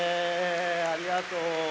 ありがとう。